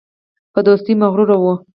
په دوستۍ مغرور وو.